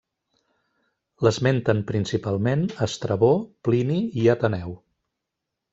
L'esmenten principalment Estrabó, Plini i Ateneu.